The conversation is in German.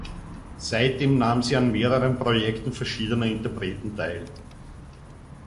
Seitdem nahm sie an mehreren Projekten verschiedener Interpreten teil.